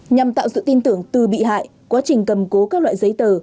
nhằm tạo sự tin tưởng từ bị hại quá trình cầm cố các loại giấy tờ